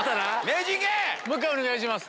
もう１回お願いします。